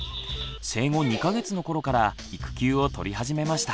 生後２か月の頃から育休をとり始めました。